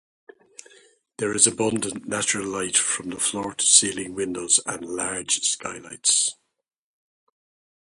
There is abundant natural light from floor to ceiling windows and large skylights.